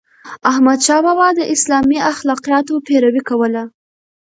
احمدشاه بابا د اسلامي اخلاقياتو پیروي کوله.